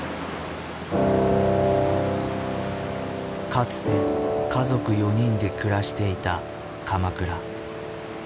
かつて家族４人で暮らしていた鎌倉。